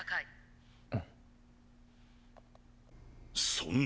そんな。